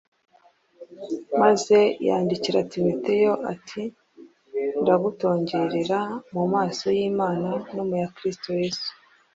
maze yandikira Timoteyo ati: “Ndagutongerera mu maso y’Imana no mu ya Kristo Yesu